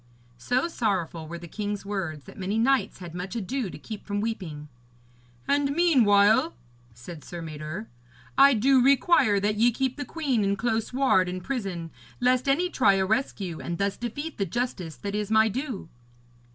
So sorrowful were the king's words that many knights had much ado to keep from weeping. 'And meanwhile,' said Sir Mador, 'I do require that ye keep the queen in close ward and prison, lest any try a rescue, and thus defeat the justice that is my due.'